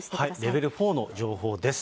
レベル４の情報です。